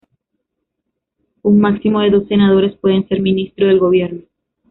Un máximo de dos senadores pueden ser ministros del Gobierno.